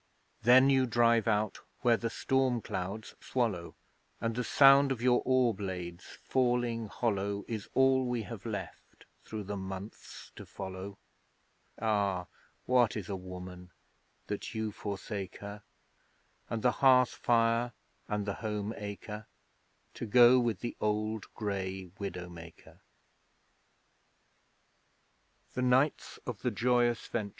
Then you drive out where the storm clouds swallow: And the sound of your oar blades falling hollow Is all we have left through the months to follow. Ah, what is a Woman that you forsake her, And the hearth fire and the home acre, To go with the old grey Widow maker?